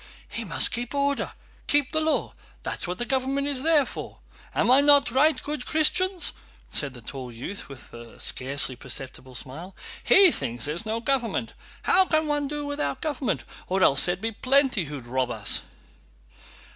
"He must keep order, keep the law, that's what the government is there for. Am I not right, good Christians?" said the tall youth, with a scarcely perceptible smile. "He thinks there's no government! How can one do without government? Or else there would be plenty who'd rob us."